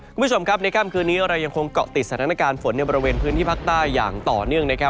คุณผู้ชมครับในค่ำคืนนี้เรายังคงเกาะติดสถานการณ์ฝนในบริเวณพื้นที่ภาคใต้อย่างต่อเนื่องนะครับ